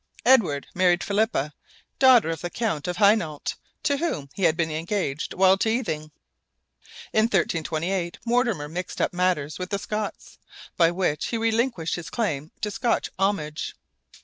Edward married Philippa, daughter of the Count of Hainault, to whom he had been engaged while teething. In 1328 Mortimer mixed up matters with the Scots, by which he relinquished his claim to Scotch homage.